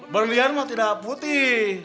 berlian mah tidak putih